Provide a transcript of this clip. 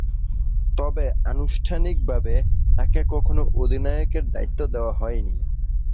তবে, আনুষ্ঠানিকভাবে তাকে কখনো অধিনায়কের দায়িত্ব দেয়া হয়নি।